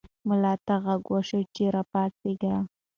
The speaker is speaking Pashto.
ملا ته غږ وشو چې راپاڅېږه.